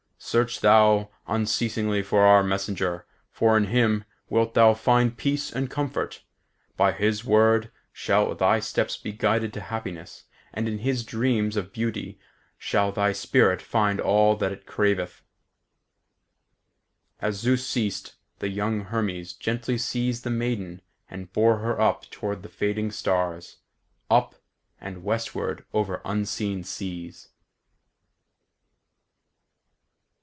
Search thou unceasingly for our messenger, for in him wilt thou find peace and comfort. By his word shall thy steps be guided to happiness, and in his dreams of beauty shall thy spirit find all that it craveth." As Zeus ceased, the young Hermes gently seized the maiden and bore her up toward the fading stars; up, and westward over unseen seas.